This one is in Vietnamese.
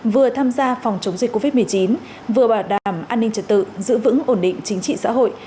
vừa tham gia phòng chống dịch covid một mươi chín vừa bảo đảm an ninh trật tự giữ vững ổn định chính trị xã hội